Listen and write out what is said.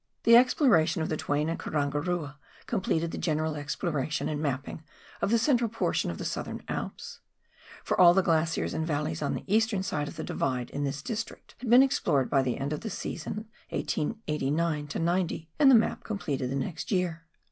The exploration of the Twain and Karangarua completed the general exploration and mapping of the central portion of the Southern Alps. For all the glaciers and valleys on the eastern side of the Divide in this district had been explored by the end of the season 1889 90, and the map completed the next year.